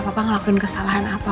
papa ngelakuin kesalahan apa